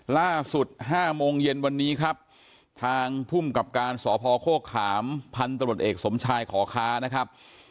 ล่าสุด๕โมงเย็นวันนี้ครับทางภูมิกับการสพโฆขามพันธบทเอกสมชายขอค้านะครับ